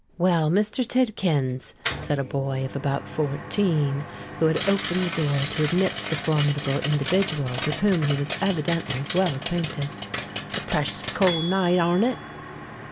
"Well, Mr. Tidkins," said a boy of about fourteen, who had opened the door to admit the formidable individual with whom he was evidently well acquainted: "a preshus cold night, arn't it?"